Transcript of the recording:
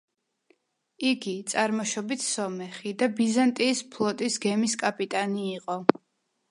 იგი წარმოშობით სომეხი და ბიზანტიის ფლოტის გემის კაპიტანი იყო.